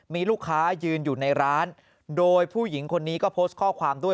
มีลูกค้ายืนอยู่ในร้านโดยผู้หญิงคนนี้ก็โพสต์ข้อความด้วย